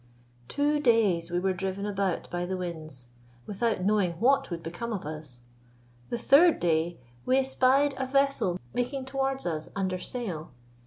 Two days we were driven about by the winds, without knowing what would become of us. The third day we espied a vessel making towards us under sail.